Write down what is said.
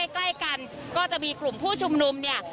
ใกล้กันก็จะมีกลุ่มผู้ชุมนุมเนี่ย